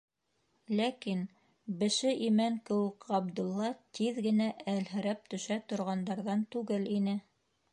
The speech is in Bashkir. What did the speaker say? Ләкин беше имән кеүек Ғабдулла тиҙ генә әлһерәп төшә торғандарҙан түгел ине.